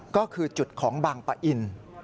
ก็คือจุดของบางปะอิน